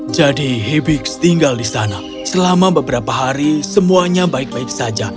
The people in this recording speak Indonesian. jadi hibis tinggal di sana selama beberapa hari semuanya baik baik saja